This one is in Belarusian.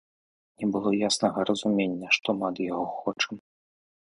Не было яснага разумення, што мы ад яго хочам.